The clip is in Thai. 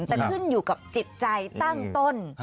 แต่ขึ้นอยู่กับจิตใจตั้งต้น